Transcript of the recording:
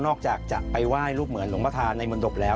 นอกจากจะไปว่ายรูปเหมือนหลวงพ่อทาในบรรดบแล้ว